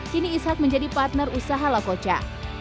kini ishak menjadi partner usaha lakoca